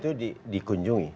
waktu itu dikunjungi